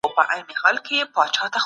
پیر روښان د وطن